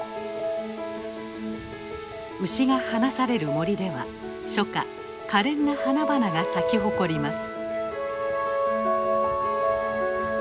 牛が放される森では初夏可憐な花々が咲き誇ります。